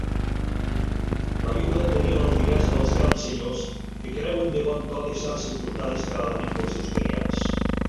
La viuda tenia l'altivesa dels grans senyors que creuen de bon to deixar-se furtar descaradament pels seus criats.